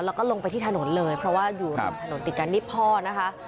แล้วก็ลงไปที่ถนนเลยเพราะว่าอยู่ริมถนนติดกันนี่พ่อนะคะ